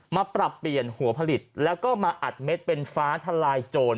ปรับเปลี่ยนหัวผลิตแล้วก็มาอัดเม็ดเป็นฟ้าทลายโจร